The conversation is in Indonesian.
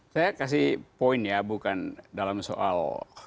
saya kasih poin ya bukan dalam soal